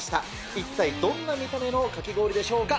一体どんな見た目のかき氷でしょうか。